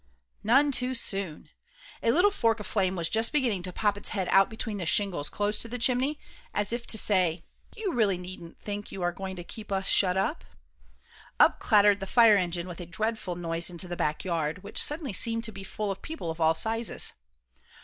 None too soon! A little fork of flame was just beginning to pop its head out between the shingles close to the chimney, as if to say, "You really needn't think you are going to keep us shut up." Up clattered the fire engine with a dreadful noise into the back yard, which suddenly seemed to be full of people of all sizes.